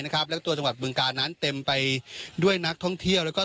แล้วก็ตัวจังหวัดบึงการนั้นเต็มไปด้วยนักท่องเที่ยวแล้วก็